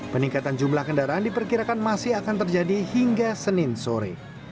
peningkatan jumlah kendaraan diperkirakan masih akan terjadi hingga senin sore